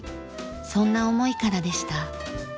そんな思いからでした。